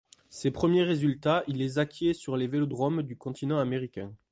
Ses premiers résultats, il les acquiert sur les vélodromes du continent américain.